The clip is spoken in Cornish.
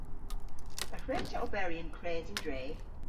Y hwre'ta oberi yn kres an dre.